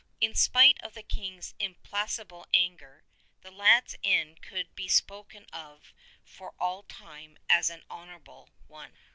In spite of the King's implacable anger, the lad's end could be spoken of for all time as an honorable one.